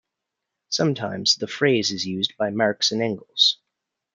Sometimes the phrase is used by Marx and Engels.